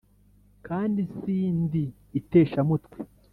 Kandi sindi itesha mutwe